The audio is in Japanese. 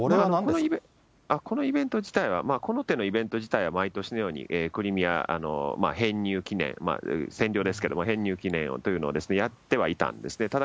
このイベント自体は、この手のイベント自体は、毎年のように、クリミア編入記念、占領ですけど、編入記念というのをやってはいたんですね。